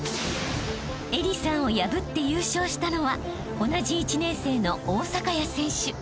［愛理さんを破って優勝したのは同じ１年生の大坂谷選手］